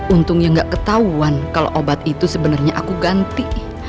untungnya gak ketahuan kalau obat itu sebenarnya aku ganti